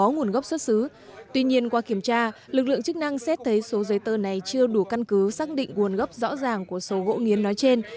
tuy nhiên qua kiểm tra lực lượng chức năng xét thấy số giấy tờ này chưa đủ căn cứ xác định nguồn gốc rõ ràng của số gỗ nghiến nói trên